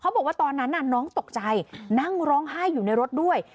บอกว่าตอนนั้นน้องตกใจนั่งร้องไห้อยู่ในรถด้วย